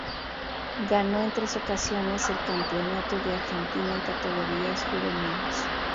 Ganó en tres ocasiones el campeonato de Argentina en categorías juveniles.